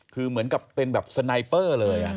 คือเหมือนกับเป็นแบบสไนเปอร์เลย